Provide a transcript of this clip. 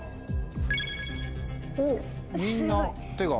おみんな手が。